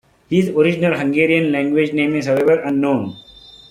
His original Hungarian language name is however unknown.